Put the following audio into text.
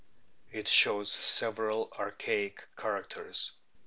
It shows several archaic characters.